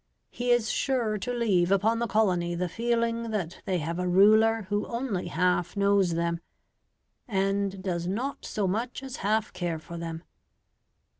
He is sure to leave upon the colony the feeling that they have a ruler who only half knows them, and does not so much as half care for them.